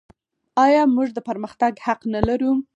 آیا موږ د پرمختګ حق نلرو؟